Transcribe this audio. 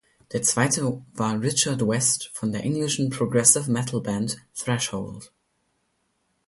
Der Zweite war Richard West von der englischen Progressive-Metal-Band Threshold.